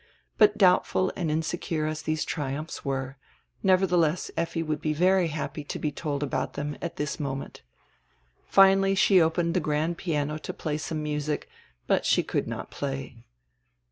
But doubtful and insecure as these triumphs were, nevertheless Effi would be very happy to be told about them at this moment Finally she opened the grand piano to play some music, but she could not play.